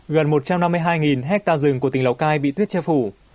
gần một trăm năm mươi hai hectare rừng của tỉnh lào cai bị tuyết che phủ